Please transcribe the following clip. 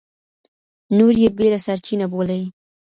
نور يې بېله سرچينه بولي.